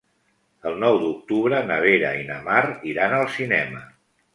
El nou d'octubre na Vera i na Mar iran al cinema.